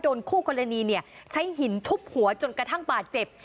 คู่กรณีใช้หินทุบหัวจนกระทั่งบาดเจ็บ